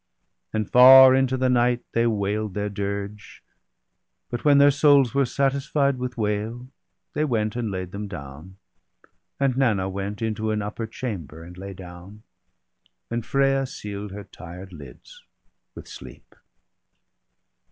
And far into the night they wail'd their dirge ; But when their souls w^ere satisfied with wail, They went, and laid them down, and Nanna went Into an upper chamber, and lay down ; L 2 148 BALDER DEAD, And Frea seal'd her tired lids with sleep.